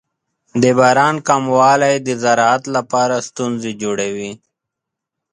د باران کموالی د زراعت لپاره ستونزې جوړوي.